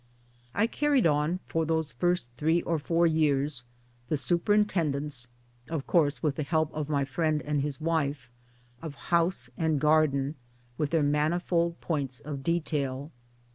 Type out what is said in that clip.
I carried on, for those first three or four years, the superintendence (of course with the help of my friend and his wife) of house and garden, with their manifold points of detail.